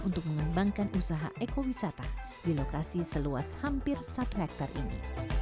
untuk mengembangkan usaha ekowisata di lokasi seluas hampir satu hektare ini